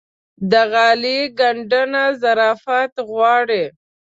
د غالۍ ګنډنه ظرافت غواړي.